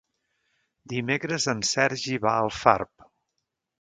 Dimecres en Sergi va a Alfarb.